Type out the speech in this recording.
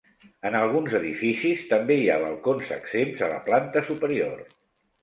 En alguns edificis també hi ha balcons exempts a la planta superior.